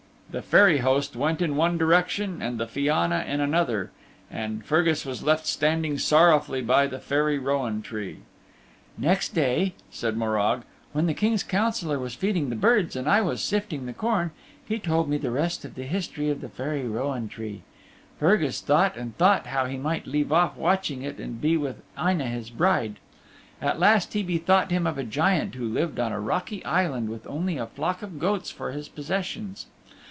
The Fairy Host went in one direction and the Fianna in another, and Fergus was left standing sorrowfully by the Fairy Rowan Tree. Next day (said Morag), when the King's Councillor was feeding the birds and I was sifting the corn, he told me the rest of the history of the Fairy Rowan Tree. Fergus thought and thought how he might leave off watching it and be with Aine', his bride. At last he bethought him of a Giant who lived on a rocky island with only a flock of goats for his possessions.